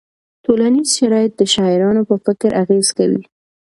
ټولنیز شرایط د شاعرانو په فکر اغېز کوي.